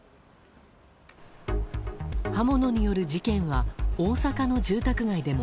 刃物による事件は大阪の住宅街でも。